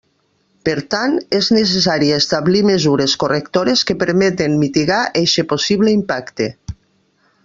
Per tant, és necessari establir mesures correctores que permeten mitigar eixe possible impacte.